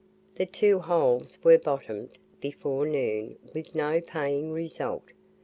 The two holes were "bottomed" before noon with no paying result.